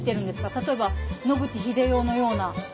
例えば野口英世のような。